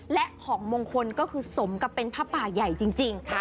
และของมงคลก็คือสมกับเป็นผ้าป่าใหญ่จริง